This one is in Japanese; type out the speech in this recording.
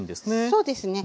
そうですね。